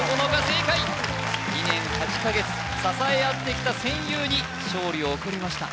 正解２年８カ月支え合ってきた戦友に勝利を送りました